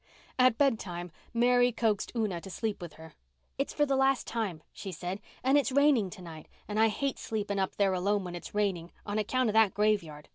At bedtime Mary coaxed Una to sleep with her. "It's for the last time," she said, "and it's raining tonight, and I hate sleeping up there alone when it's raining on account of that graveyard.